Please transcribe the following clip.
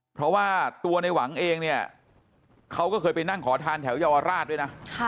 เพราะว่าตัวในหวังเองเนี่ยเขาก็เคยไปนั่งขอทานแถวเยาวราชด้วยนะ